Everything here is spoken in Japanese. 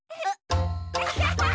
アハハハ！